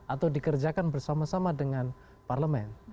atau dikerjakan bersama sama dengan parlemen